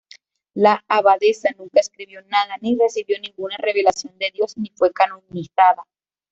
La abadesa nunca escribió nada, ni recibió ninguna revelación de Dios ni fue canonizada.